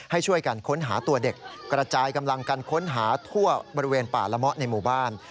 ให้ช่วยกันค้นหาตัวเด็กกระจายกำลังกันค้นหาทั่วบริเวณป่าละเมาะในหมู่บ้าน